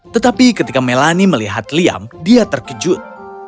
tetapi ketika melani melihat liam dia terkejut